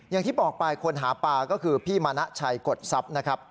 อย่างที่บอกไปคนหาปลาก็คือพี่มานะชัยกดทรัพย์นะครับ